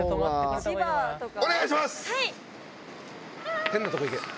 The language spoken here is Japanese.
お願いします！